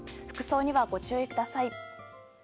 服装には、ご注意ください。